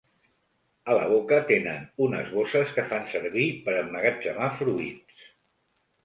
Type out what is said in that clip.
A la boca tenen unes bosses que fan servir per emmagatzemar fruits.